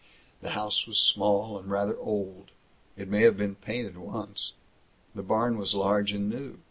The house was small and rather old. It may have been painted once. The barn was large and new.